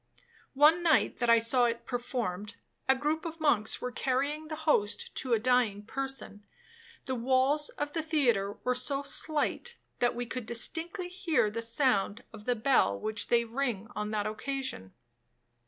One night that I saw it performed, a groupe of monks were carrying the Host to a dying person; the walls of the theatre were so slight, that we could distinctly hear the sound of the bell which they ring on that occasion.